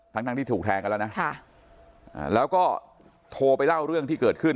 ทั้งทั้งที่ถูกแทงกันแล้วนะแล้วก็โทรไปเล่าเรื่องที่เกิดขึ้น